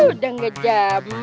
udah enggak jamu nih